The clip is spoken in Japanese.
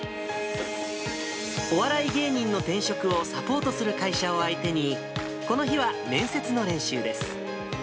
お笑い芸人の転職をサポートする会社を相手に、この日は面接の練習です。